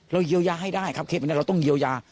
เราเยี้ยวยาให้ได้ครับเราต้องเยี้ยวยา